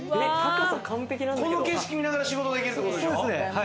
この景色見ながら仕事できるってことでしょ？